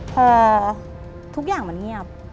พอทุกอย่างมันเงียบ